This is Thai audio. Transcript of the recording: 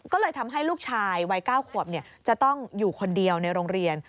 ก็เลยทำให้ลูกชายวัย๙ขวบจะต้องอยู่คนเดียวในโรงเรียน